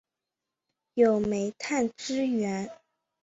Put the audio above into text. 有煤炭资源。